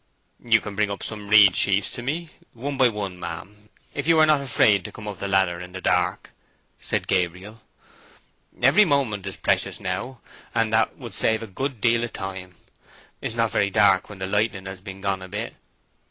"You can bring up some reed sheaves to me, one by one, ma'am; if you are not afraid to come up the ladder in the dark," said Gabriel. "Every moment is precious now, and that would save a good deal of time. It is not very dark when the lightning has been gone a bit."